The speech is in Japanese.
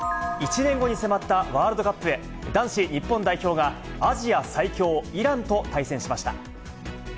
１年後に迫ったワールドカップへ、男子日本代表がアジア最強、イランと対戦しました。